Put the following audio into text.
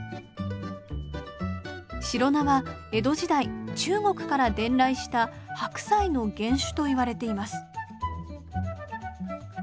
シロナは江戸時代中国から伝来した白菜の原種といわれています。